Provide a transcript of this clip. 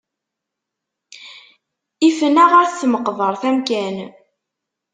Ifen-aɣ at tmeqbeṛt amkan.